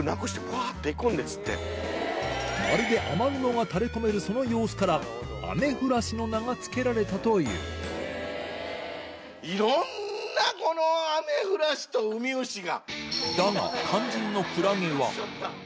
まるで雨雲がたれこめるその様子から「アメフラシ」の名が付けられたといういろんなアメフラシとウミウシが。